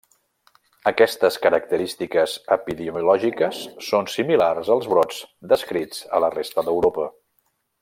Aquestes característiques epidemiològiques són similars als brots descrits a la resta d'Europa.